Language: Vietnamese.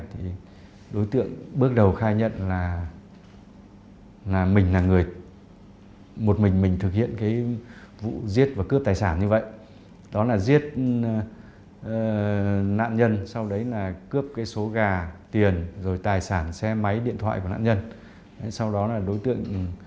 thì vô cùng nhiều vô cùng nhiều sự vô cùng nhiều lợi nhuận